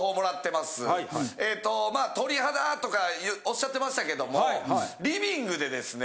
まあ「鳥肌」とかおっしゃってましたけどもリビングでですね